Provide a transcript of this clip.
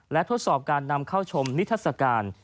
และทดสอบการนำเข้าชมนิทัศกาล